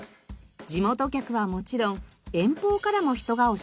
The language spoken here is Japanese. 地元客はもちろん遠方からも人が押し寄せます。